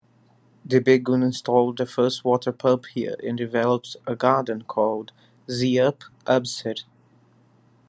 The Begum installed the first water pump here and developed a garden called 'Zie-up-Abser'.